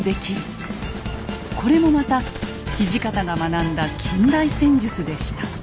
これもまた土方が学んだ近代戦術でした。